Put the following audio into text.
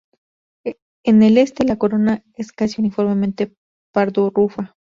En el este la corona es casi uniformemente pardo rufa.